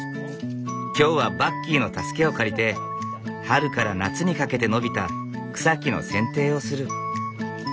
今日はバッキーの助けを借りて春から夏にかけて伸びた草木の剪定をする。